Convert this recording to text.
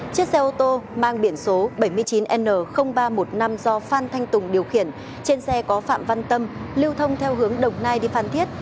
chiếc xe ô tô mang biển số bảy mươi chín n ba trăm một mươi năm do phan thanh tùng điều khiển trên xe có phạm văn tâm lưu thông theo hướng đồng nai đi phan thiết